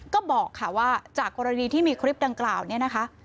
ก็บอกค่ะว่าจากกรณีที่มีคลิปดังกล่าวเนี่ยนะคะ